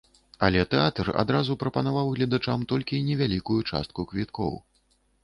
Але тэатр адразу прапанаваў гледачам толькі невялікую частку квіткоў.